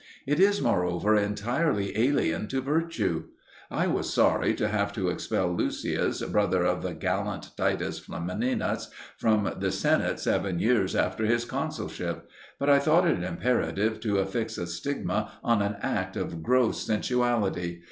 It is, moreover, entirely alien to virtue. I was sorry to have to expel Lucius, brother of the gallant Titus Flamininus, from the Senate seven years after his consulship; but I thought it imperative to affix a stigma on an act of gross sensuality.